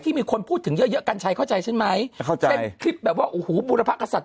ที่มีคนพูดถึงเยอะกันใช่เข้าใจใช่ไหมเช่นคลิปแบบว่าอูหูบูรพกษัตริย์